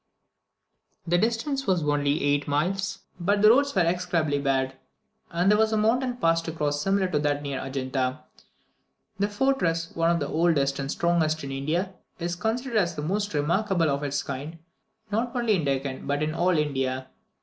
The distance was only eight miles; but the roads were execrably bad, and there was a mountain pass to cross similar to that near Adjunta. The fortress, one of the oldest and strongest in India, is considered as the most remarkable of its kind, not only in the Deccan but in all India.